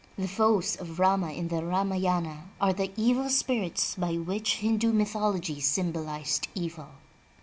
The foes of Rama in the Ramayana are the evil spirits by which Hindu myth ology symbolized evil.